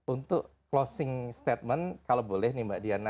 untuk closing statement kalau boleh nih mbak diana